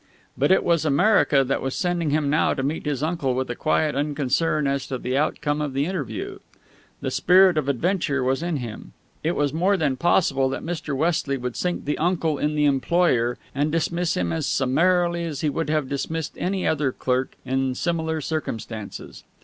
But it was America that was sending him now to meet his uncle with a quiet unconcern as to the outcome of the interview. The spirit of adventure was in him. It was more than possible that Mr. Westley would sink the uncle in the employer and dismiss him as summarily as he would have dismissed any other clerk in similar circumstances.